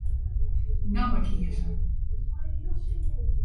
Namme kieze.